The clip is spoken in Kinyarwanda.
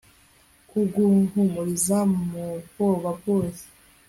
kuguhumuriza mubwoba bwose